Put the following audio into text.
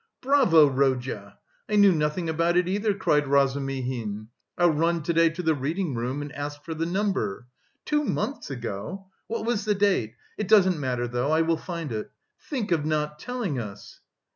"Bravo, Rodya! I knew nothing about it either!" cried Razumihin. "I'll run to day to the reading room and ask for the number. Two months ago? What was the date? It doesn't matter though, I will find it. Think of not telling us!"